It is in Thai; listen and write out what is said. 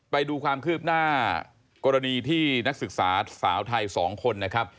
ไปดูความคืบหน้ากรณีที่นักศึกษาสาวไทย๒คนนะครับ